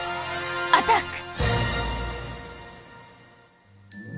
アタック！